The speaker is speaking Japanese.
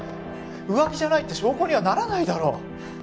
浮気じゃないって証拠にはならないだろ！